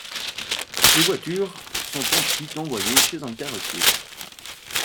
Les voitures sont ensuite envoyées chez un carrossier.